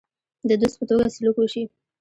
د دوست په توګه سلوک وشي.